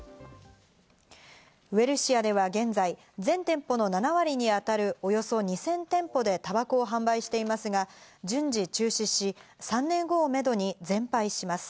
ウエルシアでは現在全店舗の７割に当たるおよそ２０００店舗で、たばこを販売していますが、順次中止し、３年後をめどに全廃します。